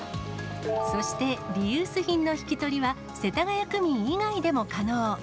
そして、リユース品の引き取りは、世田谷区民以外でも可能。